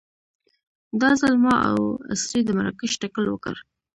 دا ځل ما او اسرې د مراکش تکل وکړ.